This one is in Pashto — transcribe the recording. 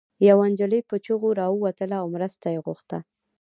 يوه انجلۍ په چيغو راووتله او مرسته يې غوښته